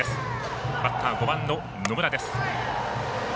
バッター５番の野村です。